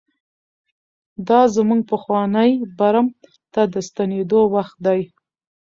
دا زموږ پخواني برم ته د ستنېدو وخت دی.